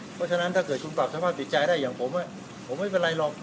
เพราะฉะนั้นถ้าเกิดคุณปรับสามารถติดใจได้อย่างผมผมไม่เป็นไรหรอก